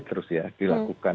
terus ya dilakukan